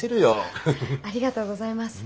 ありがとうございます。